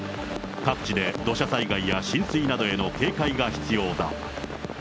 各地で土砂災害や浸水などへの警戒が必要だ。